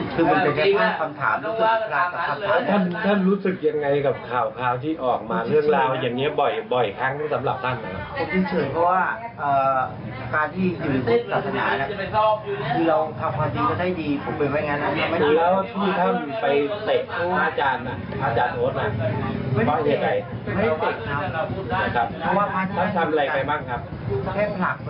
สุดท้ายก็ต้องรอเรื่องของการตั้งกรรมการสอบอีกทีหนึ่งนะครับ